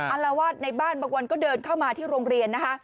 อารวาสในบ้านบางวันก็เดินเข้ามาที่โรงเรียนนะคะ